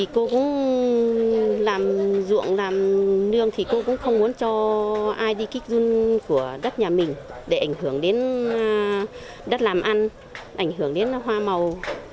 cô cũng làm ruộng làm nương thì cô cũng không muốn cho ai đi kích run của đất nhà mình để ảnh hưởng đến đất làm ăn ảnh hưởng đến hoa màu